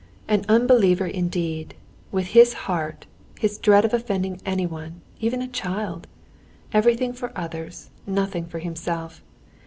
"He an unbeliever indeed! With his heart, his dread of offending anyone, even a child! Everything for others, nothing for himself.